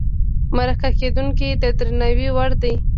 مرکه کېدونکی د درناوي وړ دی.